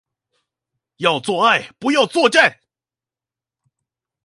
要做愛，不要作戰